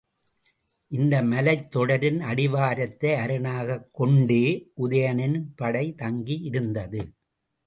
இந்த மலைத் தொடரின் அடிவாரத்தை அரணாகக் கொண்டே உதயணனின் படை தங்கியிருந்தது.